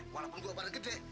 walaupun gua pada gede